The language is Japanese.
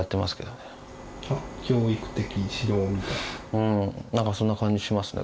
うん何かそんな感じしますね